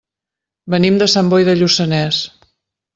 Venim de Sant Boi de Lluçanès.